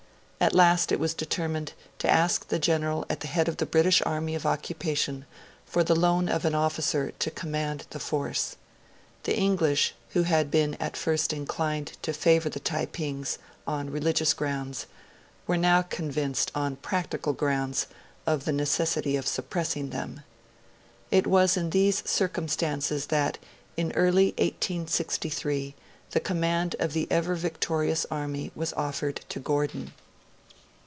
At last it was determined to ask the General at the head of the British Army of Occupation for the loan of an officer to command the force. The English, who had been at first inclined to favour the Taipings, on religious grounds, were now convinced, on practical grounds, of the necessity of suppressing them. It was in these circumstances that, early in 1863, the command of the Ever Victorious Army was offered to Gordon.